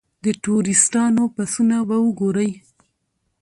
د ټوریسټانو بسونه به وګورئ.